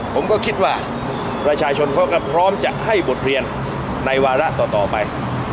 ผมก็คิดว่าประชาชนเขาก็พร้อมจะให้บทเรียนในวาระต่อไป